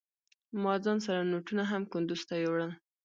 ما ځان سره نوټونه هم کندوز ته يوړل.